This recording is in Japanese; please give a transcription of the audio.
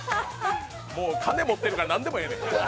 金持ってるから何でもええねん。